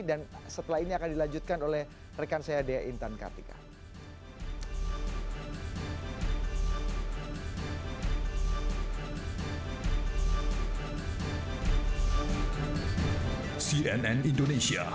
dan setelah ini akan dilanjutkan oleh rekan saya dea intan kartika